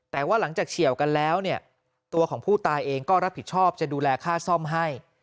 แต่ว่าหลังจากเฉียวกันแล้วเนี่ยตัวของผู้ตายเองก็รับผิดชอบจะดูแลค่าซ่อมให้